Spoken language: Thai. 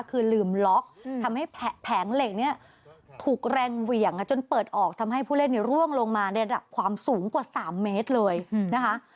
คือลืมล็อกทำให้แผงเหล็กเนี่ยถูกแรงเหวี่ยงจนเปิดออกทำให้ผู้เล่นร่วงลงมาในระดับความสูงกว่า๓เมตรเลยนะคะ